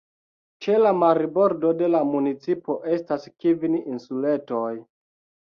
Ĉe la marbordo de la municipo estas kvin insuletoj.